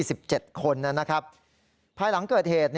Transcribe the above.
มีความรู้สึกว่าเกิดอะไรขึ้น